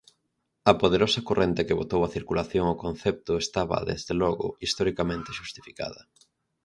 A poderosa corrente que botou a circulación o concepto, estaba, desde logo, historicamente xustificada.